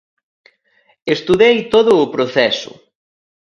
Estudei todo o proceso.